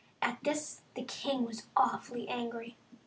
At this the king was awfully angry.